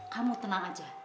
kamu tenang aja